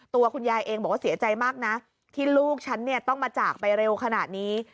ตัวคุณยายเองบอกว่าเสียใจมากนะที่ลูกฉันเนี่ยต้องมาจากไปเร็วขนาดนี้